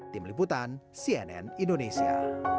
tim liputan cnn indonesia